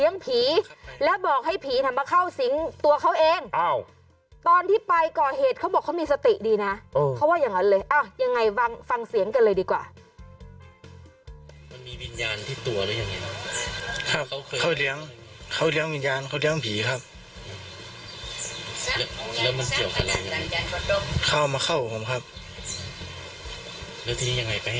มันสติดีนะเขาว่าอย่างนั้นเลยยังไงฟังเสียงกันเลยดีกว่า